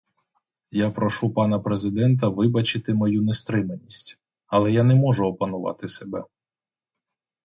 Я прошу пана президента вибачити мою нестриманість, але я не можу опанувати себе.